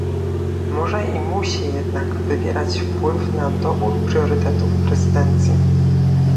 Może i musi jednak wywierać wpływ na dobór priorytetów prezydencji